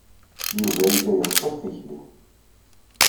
Yuba yella iɣeṣṣeb tikli.